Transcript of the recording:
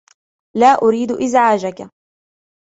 لا اريد ازعاجك.